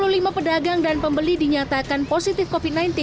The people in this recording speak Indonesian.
lima pedagang dan pembeli dinyatakan positif covid sembilan belas